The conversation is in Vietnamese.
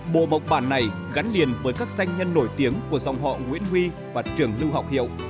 bộ mộc bản này gắn liền với các danh nhân nổi tiếng của dòng họ nguyễn huy và trường lưu học hiệu